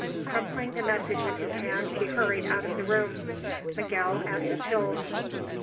Crumpling the message in his hand he hurried out of the room, Miguel at his heels.